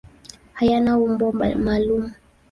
Hayana umbo maalum.